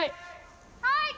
はい！